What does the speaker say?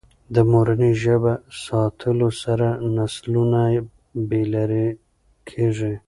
د مورنۍ ژبه ساتلو سره نسلونه نه بې لارې کېږي.